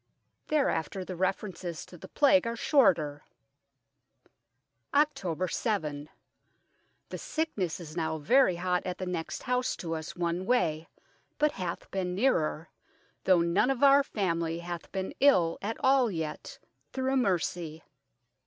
Thereafter the references to the Plague are shorter " October 7. The sicknes is now very hot at the next house to us one way, but hath beene neerer, though none of our family hath been ill at all yet, through mercy.